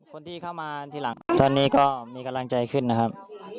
คนที่เข้ามาทีหลังตอนนี้ก็มีกำลังใจขึ้นนะครับ